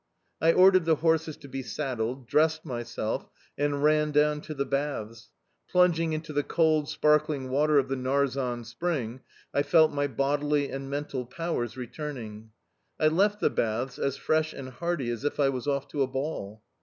I ordered the horses to be saddled, dressed myself, and ran down to the baths. Plunging into the cold, sparkling water of the Narzan Spring, I felt my bodily and mental powers returning. I left the baths as fresh and hearty as if I was off to a ball.